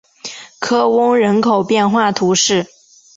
科翁人口变化图示